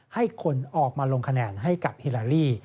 ให้คนออกมาลงคะแนนให้กับฮิลาลี